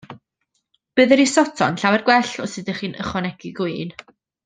Bydd y risotto yn llawer gwell os ydych chi'n ychwanegu gwin.